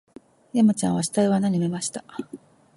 山ちゃんは死体を穴に埋めました